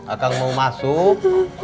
akang mau masuk